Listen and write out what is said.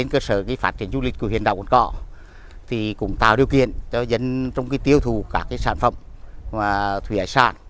công ty điện lực việt nam cũng tạo điều kiện cho dân trong tiêu thụ các sản phẩm thủy sản